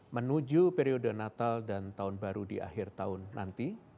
menuju periode natal dan tahun baru di akhir tahun nanti